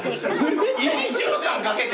１週間かけて！？